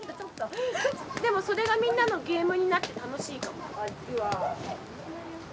でもそれがみんなのゲームになって楽しいかも。